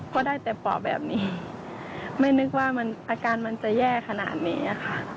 ก็ได้แต่ปอบแบบนี้ไม่นึกว่าอาการมันจะแย่ขนาดนี้ค่ะ